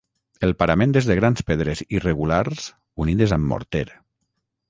El parament és de grans pedres irregulars unides amb morter.